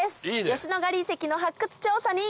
吉野ヶ里遺跡の発掘調査に。